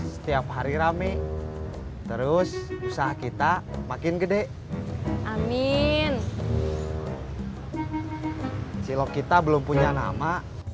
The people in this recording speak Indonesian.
setiap hari rame terus usaha kita makin gede amin cilok kita belum punya nama